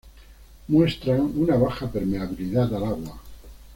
Muestran una baja permeabilidad al agua.